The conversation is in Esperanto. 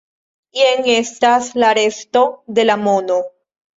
Jen estas la resto de la mono.